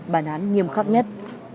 bản án nghiêm khắc nhất